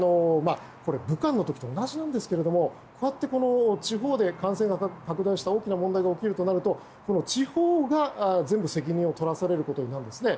武漢の時と同じなんですが地方で感染が拡大した大きな問題が起こるとなると地方が全部、責任を取らされることになるんですね。